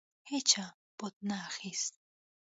هیچا بت نه اخیست.